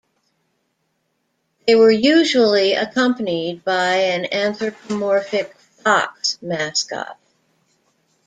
They were usually accompanied by an anthropomorphic fox mascot.